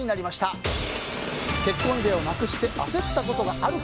結婚指輪をなくして焦ったことがあるか。